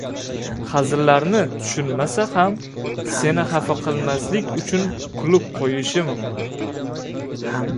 Hazillarni tushunmasa ham seni hafa qilmaslik uchun kulib qoʻyishi mumkin.